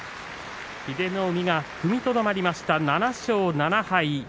英乃海が踏みとどまりました７勝７敗。